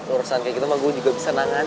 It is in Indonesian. urusan kayak gitu mah gue juga bisa nangan